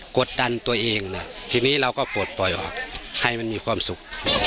กดดันตัวเองนะทีนี้เราก็ปลดปล่อยออกให้มันมีความสุข